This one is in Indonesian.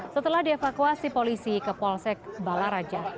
setelah dievakuasi polisi ke polsek balaraja